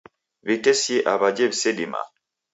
W'itesie aw'aje w'isedimaa